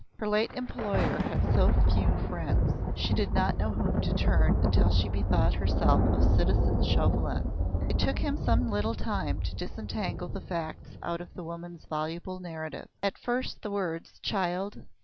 Her late employer had so few friends; she did not know to whom to turn until she bethought herself of citizen Chauvelin. It took him some little time to disentangle the tangible facts out of the woman's voluble narrative. At first the words: "Child